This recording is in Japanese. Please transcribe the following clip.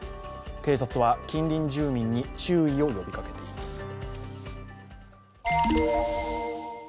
警察は近隣住民に注意を呼びかけています。